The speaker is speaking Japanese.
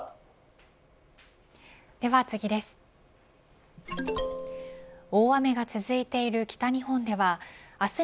では次です。